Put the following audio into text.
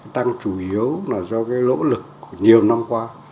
tăng chủ yếu là do lỗ lực của nhiều năm qua